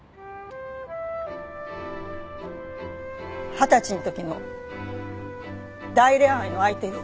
二十歳の時の大恋愛の相手よ。